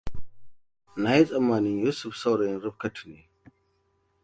Na yi tsammanin Yusuf saurayin Rifkatuam ne.